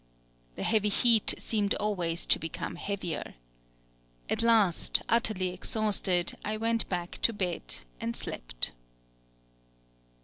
The heavy heat seemed always to become heavier. At last, utterly exhausted, I went back to bed, and slept.